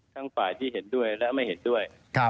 ฝ่ายที่เห็นด้วยและไม่เห็นด้วย